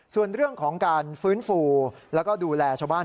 ส่วนเรื่องของการฟื้นฟูแล้วก็ดูแลชาวบ้าน